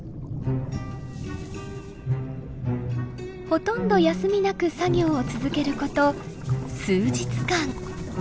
ほとんど休みなく作業を続けること数日間。